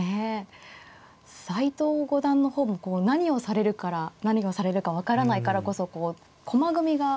斎藤五段の方もこう何をされるから何をされるか分からないからこそこう駒組みが。